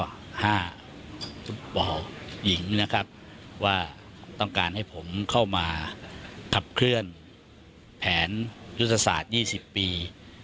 ฟุตบอลหญิงนะครับว่าต้องการให้ผมเข้ามาขับเคลื่อนแผนยุทธศาสตร์๒๐ปี